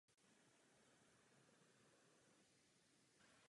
O jeho skladby projevila zájem i šlechta a bohatí měšťané.